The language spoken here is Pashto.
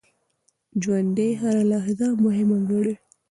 ژوندي هره لحظه مهمه ګڼي